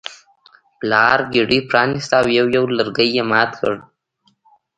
پلار ګېډۍ پرانیسته او یو یو لرګی یې مات کړ.